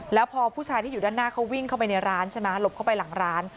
แล้วพอผู้ชายที่อยู่ด้านหน้าเขาวิ่งเข้าไปในร้านใช่ไหมหลบเข้าไปหลังร้าน